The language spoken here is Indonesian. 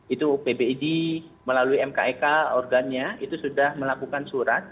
itu pbid melalui mkek organnya itu sudah melakukan surat